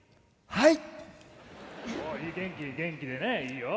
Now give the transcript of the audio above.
はい。